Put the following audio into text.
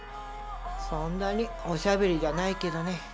そんなにおしゃべりじゃないけどね。